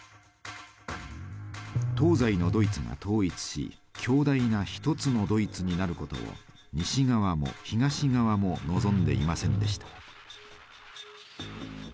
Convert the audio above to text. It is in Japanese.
東西のドイツが統一し強大な１つのドイツになることを西側も東側も望んでいませんでした。